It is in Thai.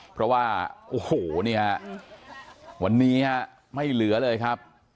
เพราะว่าโอ้โหเนี่ยวันนี้ฮะไม่เหลือเลยครับ